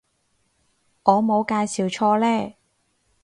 我冇介紹錯呢